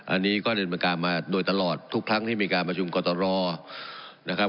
อันนี้ก็เดินบริการมาโดยตลอดทุกครั้งที่มีการประชุมกรตรอนะครับ